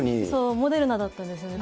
モデルナだったんですよね。